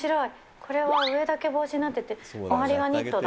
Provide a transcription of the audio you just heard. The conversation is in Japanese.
これは上だけ帽子になってて、周りはニットだ。